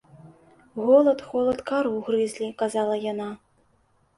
Голад, холад, кару грызлі, казала яна.